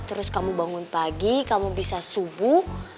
terus kamu bangun pagi kamu bisa subuh